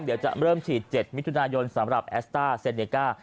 เดี๋ยวจะเริ่มฉีด๗มิถุนายนสำหรับแอสต้าเซเนก้า